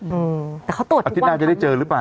อืมแต่เขาตรวจอาทิตย์หน้าจะได้เจอหรือเปล่า